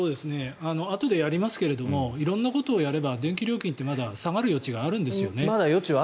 あとでやりますけれど色んなことをやれば電気料金ってまだ下がる余地はあるんですよね。